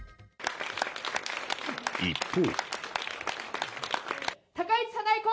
一方。